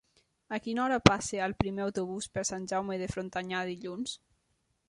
A quina hora passa el primer autobús per Sant Jaume de Frontanyà dilluns?